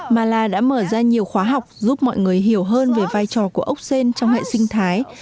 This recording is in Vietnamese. mala đã mở ra nhiều khóa học giúp mọi người hiểu hơn về vai trò của ốc sen trong hệ sinh thái